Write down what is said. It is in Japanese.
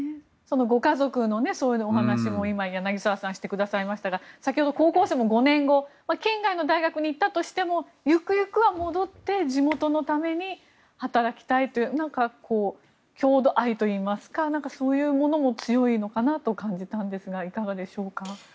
ご家族のそのようなお話も今、柳澤さんがしてくださいましたが先ほど高校生も５年後県外の大学に行ったとしてもゆくゆくは戻って地元のために働きたいという郷土愛といいますかそういうものも強いのかなと感じたんですがいかがでしょうか。